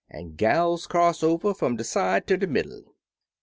An' "Gals cross over fum de side fer de middle!"